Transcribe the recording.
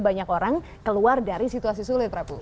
banyak orang keluar dari situasi sulit prabu